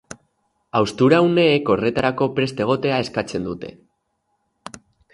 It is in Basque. Haustura uneek horretarako prest egotea eskatzen dute.